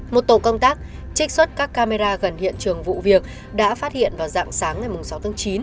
một tổ công tác trích xuất các camera gần hiện trường vụ việc đã phát hiện vào dạng sáng ngày sáu tháng chín